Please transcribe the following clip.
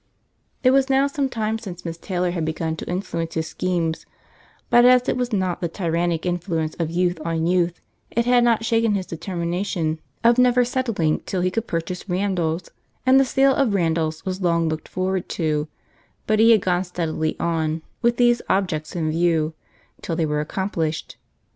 It was now some time since Miss Taylor had begun to influence his schemes; but as it was not the tyrannic influence of youth on youth, it had not shaken his determination of never settling till he could purchase Randalls, and the sale of Randalls was long looked forward to; but he had gone steadily on, with these objects in view, till they were accomplished.